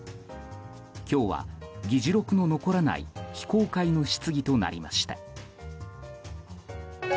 今日は議事録の残らない非公開の質疑となりました。